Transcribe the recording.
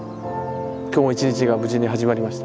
今日も一日が無事に始まりました。